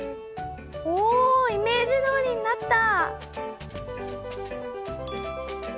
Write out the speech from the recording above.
おイメージどおりになった！